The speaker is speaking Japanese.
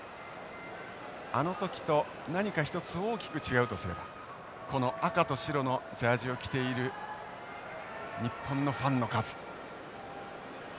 あの時と何か一つ大きく違うとすればこの赤と白のジャージを着ている日本のファンの数。